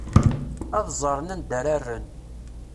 Ad ẓren anda ara rren.